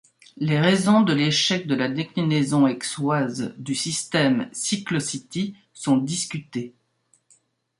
Les raisons de l'échec de la déclinaison aixoise du système Cyclocity sont discutées.